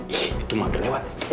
ih itu mah udah lewat